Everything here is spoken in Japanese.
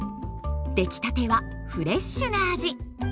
できたてはフレッシュな味。